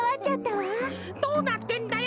どうなってんだよ